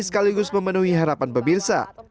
sekaligus memenuhi harapan pemirsa